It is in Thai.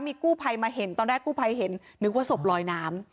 มีกู้ภัยมาเห็นตอนแรกกู้ภัยเห็นนึกว่าศพลอยน้ำ